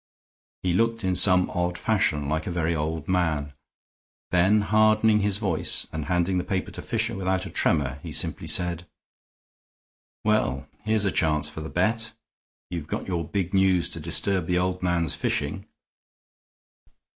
He looked in some odd fashion like a very old man. Then, hardening his voice and handing the paper to Fisher without a tremor, he simply said: "Well, here's a chance for the bet. You've got your big news to disturb the old man's fishing."